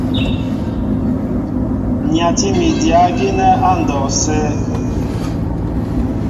Nyatí mi dyǎ gínɛ́ á ndɔw sə.